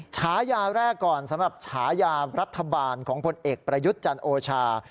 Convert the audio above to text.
ฉายาแรกก่อนสำหรับฉายารัฐบาลของพลเอกประยุทธ์จันทร์โอชา